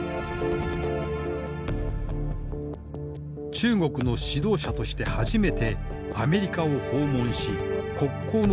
中国の指導者として初めてアメリカを訪問し国交の樹立に合意。